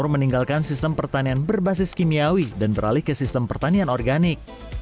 meninggalkan sistem pertanian berbasis kimiawi dan beralih ke sistem pertanian organik